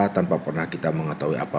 tanpa pernah kita mengetahui apa